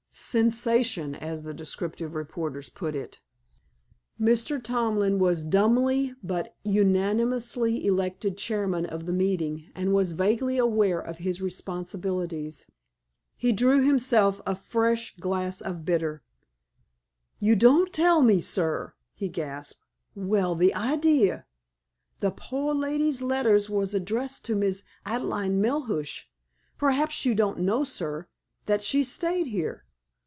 Sensation, as the descriptive reporters put it. Mr. Tomlin was dumbly but unanimously elected chairman of the meeting, and was vaguely aware of his responsibilities. He drew himself a fresh glass of bitter. "You don't tell me, sir!" he gasped. "Well, the idee! The pore lady's letters were addressed to Miss Adelaide Melhuish. Perhaps you don't know, sir, that she stayed here!"